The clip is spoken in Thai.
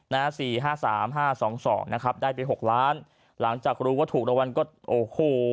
๔๕๓๕๒๒นะครับได้ไป๖ล้านหลังจากรู้ว่าถูกรางวัลก็โอ้โห